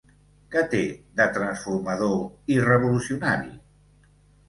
Què té de transformador i revolucionari?